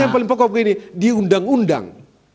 yang paling pokok begini di undang undang